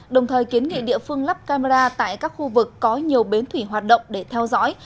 đồng thời kiến nghị địa phương lắp camera tại các khu vực có nhiều bến thủy hoạt động để theo dõi